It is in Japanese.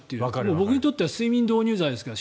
僕にとっては睡眠導入剤ですから。